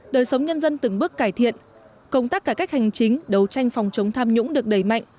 đời sống nhân dân từng bước cải thiện công tác cải cách hành chính đấu tranh phòng chống tham nhũng được đẩy mạnh